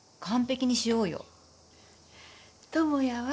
智也は？